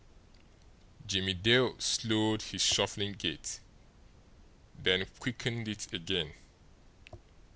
Jimmie Dale slowed his shuffling gait, then quickened it again.